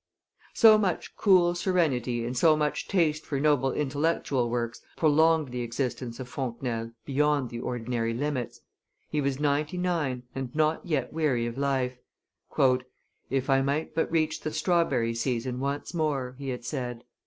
So much cool serenity and so much taste for noble intellectual works prolonged the existence of Fontenelle beyond the ordinary limits; he was ninety nine and not yet weary of life. "If I might but reach the strawberry season once more!" he had said.